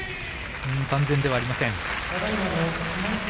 万全ではありません。